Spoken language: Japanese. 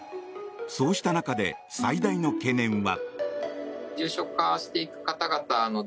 そうした中で最大の懸念は。